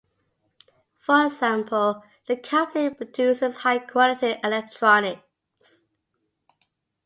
For example, "The company produces high-quality electronics."